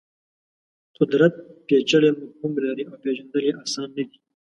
قدرت پېچلی مفهوم لري او پېژندل یې اسان نه دي.